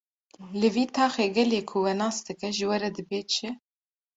Li vî taxê gelê ku we nas dike ji we re dibê çi?